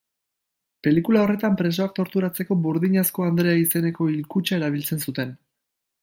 Pelikula horretan presoak torturatzeko Burdinazko Andrea izeneko hilkutxa erabiltzen zuten.